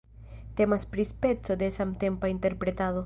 Temas pri speco de samtempa interpretado.